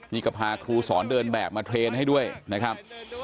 นี่ก็พาครูสอนเดินแบบมาเทรนด์ให้ด้วยนะครับ